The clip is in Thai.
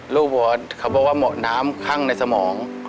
ลูกต่อบอทเขาบอกว่าหมะหนามขั้้างในสมอง